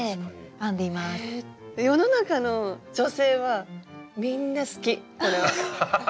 世の中の女性はみんな好きこれは。